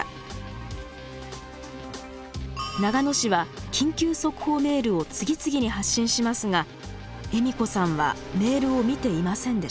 長野市は緊急速報メールを次々に発信しますが栄美子さんはメールを見ていませんでした。